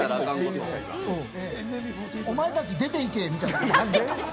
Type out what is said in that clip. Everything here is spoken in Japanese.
お前たち、出て行け！みたいな。